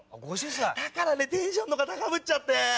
だからねテンション高ぶっちゃって。